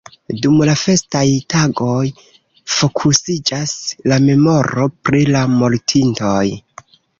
Dum la festaj tagoj fokusiĝas la memoro pri la mortintoj.